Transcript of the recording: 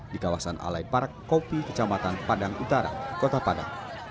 di kawasan alai park kopi kecamatan padang utara kota padang